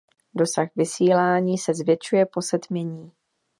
Dosah vysílání se zvětšuje po setmění.